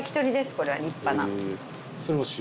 これは立派な。